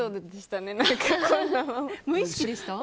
無意識でした？